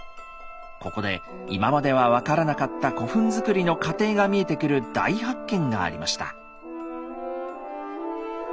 ここで今までは分からなかった古墳づくりの過程が見えてくる大発見がありました。